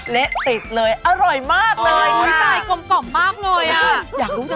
เละติดเลยอร่อยมากเลยค่ะ